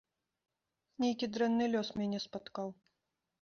Нейкі дрэнны лёс мяне спаткаў.